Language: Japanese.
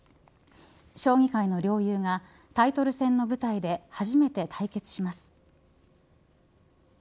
将棋界の両雄がタイトル戦の舞台で初めて対決します。